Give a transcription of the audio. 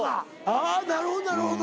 あぁなるほどなるほど。